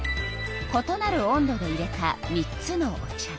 ことなる温度でいれた３つのお茶。